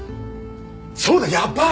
そうだやばい！